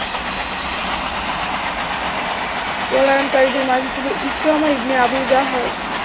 পলায়নকারীদের মাঝে ছিল Ikrimah ibn Abu Jahl.